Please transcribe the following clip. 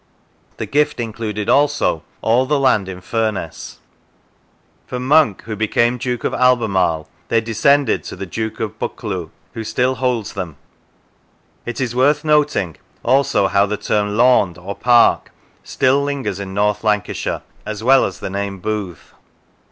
The gift included also all the land in Furness. From Monk, who became Duke of Albemarle, they descended to the Duke of Buccleuch, who still holds them. It is worth noting also how the term laund (or park) still lingers in North Lancashire, as well as the name booth.